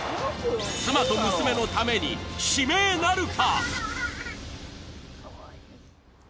妻と娘のために指名なるか？